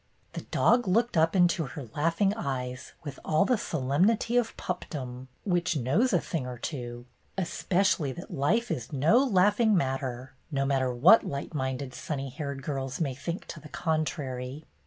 The dog looked up into her laughing eyes with all the solemnity of pupdom, which knows a thing or two, especially that life is no laugh ing matter, no matter what light minded sunny haired girls may think to the contrary.